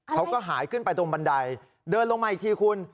เขาก็หายขึ้นไปตรงบันไดเดินลงมาอีกทีคุณ